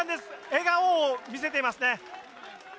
笑顔を見せていますね。